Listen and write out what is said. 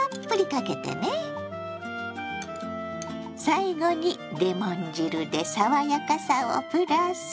最後にレモン汁で爽やかさをプラス。